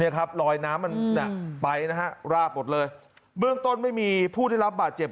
ครับลอยน้ำมันไปนะฮะราบหมดเลยเบื้องต้นไม่มีผู้ได้รับบาดเจ็บ